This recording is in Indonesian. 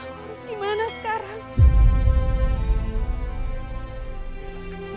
harus gimana sekarang